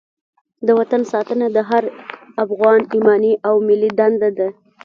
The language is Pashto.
د وطن ساتنه د هر افغان ایماني او ملي دنده ده.